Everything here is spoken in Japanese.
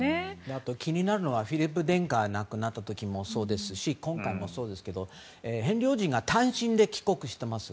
気になるのはフィリップ殿下が亡くなった時もそうですし今回もそうですがヘンリー王子が単身で帰国しています。